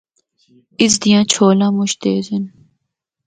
اس دیاں چُھولاں مُچ تیز ہن۔